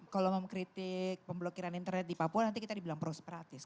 kalau mengkritik pemblokiran internet di papua nanti kita dibilang proseparatis